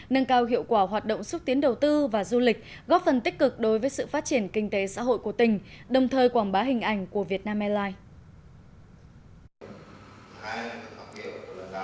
nâng cao hiệu quả hoạt động xúc tiến đầu tư và du lịch góp phần tích cực đối với sự phát triển kinh tế xã hội của tỉnh đồng thời quảng bá hình ảnh của việt nam airlines